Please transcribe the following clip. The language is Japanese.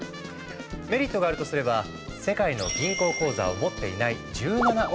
メリットがあるとすれば世界の銀行口座を持っていない１７億人もの人々。